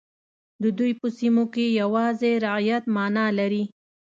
د دوی په سیمو کې یوازې رعیت معنا لري.